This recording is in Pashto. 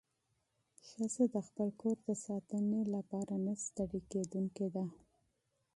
ښځه د خپل کور د ساتنې لپاره نه ستړې کېدونکې ده.